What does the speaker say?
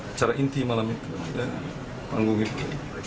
acara inti malam itu ada panggung itu